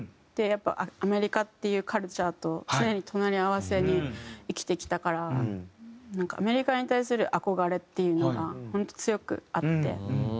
やっぱアメリカっていうカルチャーと常に隣り合わせに生きてきたからなんかアメリカに対する憧れっていうのが本当強くあって。